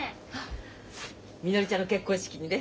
みのりちゃんの結婚式にね